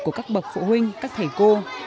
của các bậc phụ huynh các thầy cô